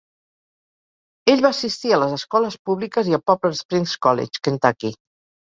Ell va assistir a les escoles públiques i a Poplar Springs College, Kentucky.